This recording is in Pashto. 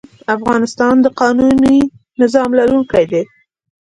افغانستان د قانوني نظام لرونکی وي.